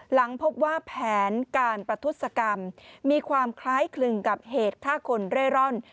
หลังพบว่าแผนการประทุศกรรมมีความคล้ายคลึงกับเหตุฆ่าคนเร่ร่อน